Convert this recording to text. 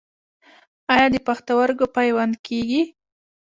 آیا د پښتورګو پیوند کیږي؟